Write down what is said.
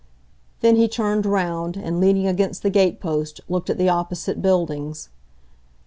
Then he turned round, and leaning against the gate post, looked at the opposite buildings.